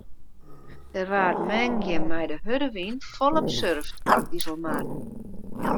Der waard moandei mei de hurde wyn folop surft op de Iselmar.